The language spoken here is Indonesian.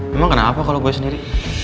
memang kenapa kalau gue sendiri